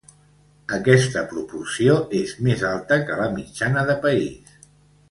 Aquesta proporció és més alta que la mitjana de país.